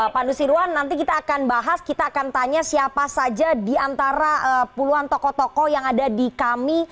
pak nusirwan nanti kita akan bahas kita akan tanya siapa saja di antara puluhan tokoh tokoh yang ada di kami